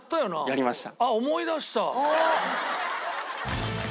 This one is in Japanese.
やりました。